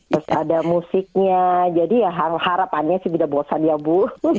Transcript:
terus ada musiknya jadi ya harapannya sih tidak bosan ya bu